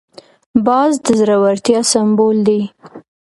باز د زړورتیا سمبول دی